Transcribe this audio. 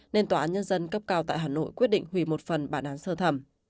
nên tòa án nhân dân cấp cao tại hà nội quyết định hủy một phần bản án sơ thẩm